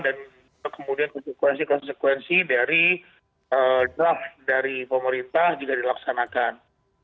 dan kemudian konsekuensi konsekuensi dari draft dari pemerintah juga dilaksanakan